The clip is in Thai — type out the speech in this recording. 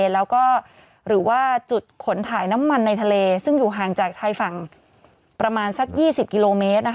แล้วก็หรือว่าจุดขนถ่ายน้ำมันในทะเลซึ่งอยู่ห่างจากชายฝั่งประมาณสัก๒๐กิโลเมตร